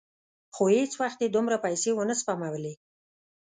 خو هېڅ وخت یې دومره پیسې ونه سپمولې.